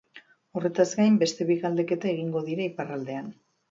Horretaz gain, beste bi galdeketa egingo dira iparraldean.